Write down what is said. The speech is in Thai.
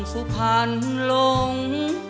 ยาลาร่าง